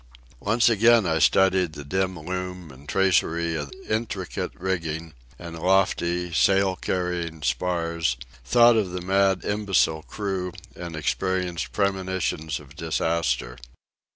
Once again I studied the dim loom and tracery of intricate rigging and lofty, sail carrying spars, thought of the mad, imbecile crew, and experienced premonitions of disaster.